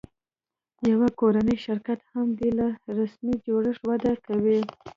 یو کورنی شرکت هم بېله رسمي جوړښت وده کوي.